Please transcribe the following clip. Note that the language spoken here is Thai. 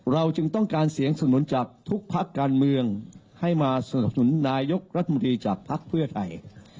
จึงต้องการเสียงสนุนจากทุกพักการเมืองให้มาสนับสนุนนายกรัฐมนตรีจากภักดิ์เพื่อไทย